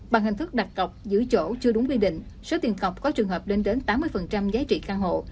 bằng hình thức đặt cọc giữ chỗ chưa đúng quy định số tiền cọc có trường hợp lên đến tám mươi giá trị căn hộ